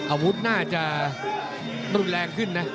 อาวุธน่าจะรุนแรงขึ้นนะ